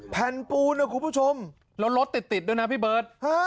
แผ่นปูนนะคุณผู้ชมแล้วรถติดด้วยนะพี่เบิร์ต